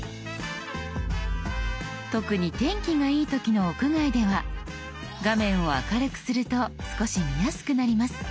特に天気がいい時の屋外では画面を明るくすると少し見やすくなります。